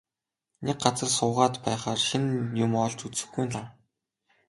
Нэг газар суугаад байхаар шинэ юм олж үзэхгүй нь лав.